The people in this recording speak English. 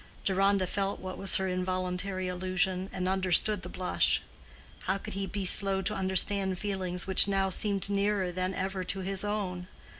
Deronda felt what was her involuntary allusion, and understood the blush. How could he be slow to understand feelings which now seemed nearer than ever to his own?